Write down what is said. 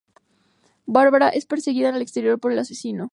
Bárbara es perseguida en el exterior por el asesino.